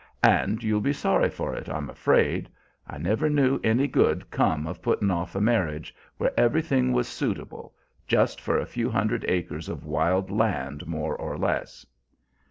"And you'll be sorry for it, I'm afraid. I never knew any good come of puttin' off a marriage, where everything was suitable, just for a few hundred acres of wild land, more or less."